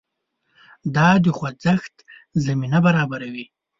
دا د خوځښت زمینه برابروي.